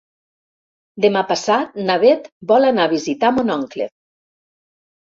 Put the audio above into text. Demà passat na Beth vol anar a visitar mon oncle.